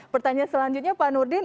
pertanyaan selanjutnya pak nurdin